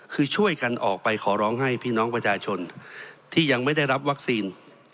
คือช่วยกันออกไปขอร้องให้พี่น้องประชาชนที่ยังไม่ได้รับวัคซีน